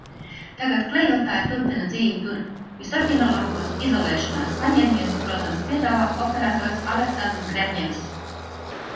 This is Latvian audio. Tagad Klejotāji turpina dzīvi tur. Visoriģinālākos izolēšanās paņēmienus, protams, piedāvā operators Aleksandrs Grebņevs.